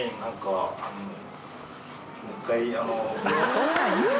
そんなん言うな！